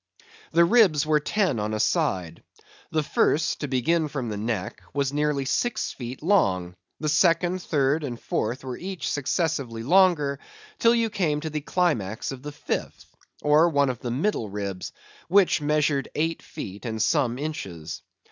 The ribs were ten on a side. The first, to begin from the neck, was nearly six feet long; the second, third, and fourth were each successively longer, till you came to the climax of the fifth, or one of the middle ribs, which measured eight feet and some inches.